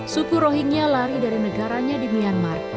suku rohingya lari dari negaranya di myanmar